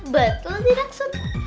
betul tidak sudut